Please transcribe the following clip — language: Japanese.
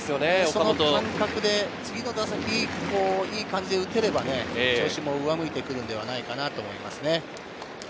その感覚で次の打席、いい感じで打てれば、調子も上向きになってくるんじゃないかと思いますね。